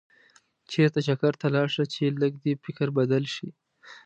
چېرته چکر ته لاړ شه چې لږ دې فکر بدل شي.